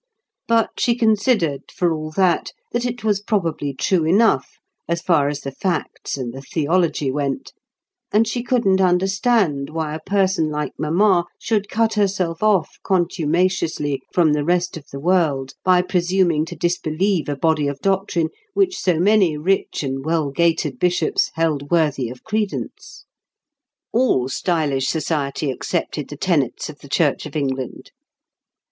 But, she considered, for all that, that it was probably true enough as far as the facts and the theology went; and she couldn't understand why a person like mamma should cut herself off contumaciously from the rest of the world by presuming to disbelieve a body of doctrine which so many rich and well gaitered bishops held worthy of credence. All stylish society accepted the tenets of the Church of England.